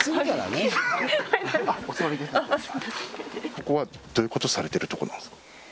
ここはどういうことされてるとこなんですか